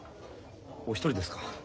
お一人ですか？